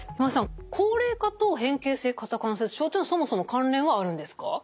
高齢化と変形性肩関節症というのはそもそも関連はあるんですか？